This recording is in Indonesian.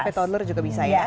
sampai toddler juga bisa ya